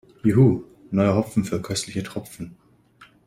Juhu, neuer Hopfen für köstliche Tropfen!